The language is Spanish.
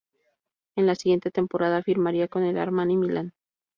En la siguiente temporada firmaría con el Armani Milán.